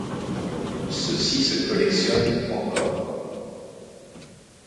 Ceux-ci se collectionnent encore.